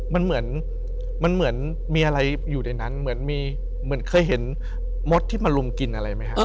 มันเหมือนมันเหมือนมีอะไรอยู่ในนั้นเหมือนมีเหมือนเคยเห็นมดที่มาลุมกินอะไรไหมครับ